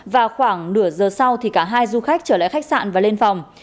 và khoảng nửa giờ sau thì cả hai du khách trở lại khách sạn và lên phòng